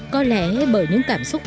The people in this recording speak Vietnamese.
có lẽ bởi những cảm xúc